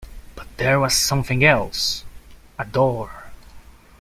But there was something else — a door!